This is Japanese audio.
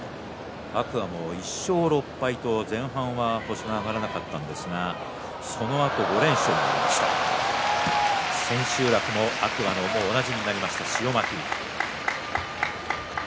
天空海も１勝６敗と前半は星が挙がらなかったんですがそのあと５連勝千秋楽も天空海のおなじみになりました塩まき。